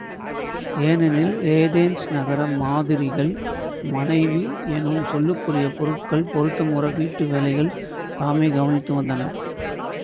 ஏனெனில் ஏதென்ஸ் நகர மாதரிகள் மனைவி என்னும் சொல்லுக்குரிய பொருட் பொருத்தமுற வீட்டு வேலைகளைத் தாமே கவனித்து வந்தனர்.